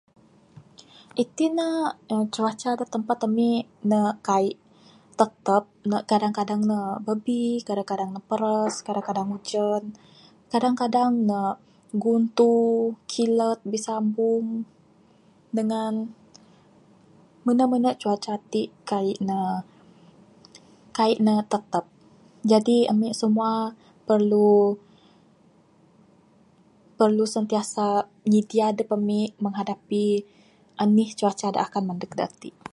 Iti ne, aa..cuaca da tempat ami, ne kai'k tetap. Ne kadang kadang ne babi, kadang kadang ne paras, kadang kadang ujan. Kadang kadang ne guntur, kilat bisabung, dengan menu menu cuaca ti kai'k ne, kai'k ne tetap. Jadi, ami semua perlu, perlu sentiasa nyidia adup ami menghadapi anih cuaca da akan mandug da ati.